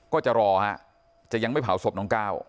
ก็จะรอฮะจะยังไม่เผาศพน้องก้าว